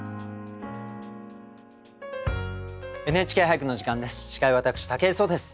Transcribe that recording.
「ＮＨＫ俳句」の時間です。